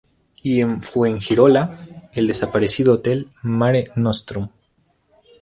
Y en Fuengirola, el desaparecido Hotel Mare Nostrum.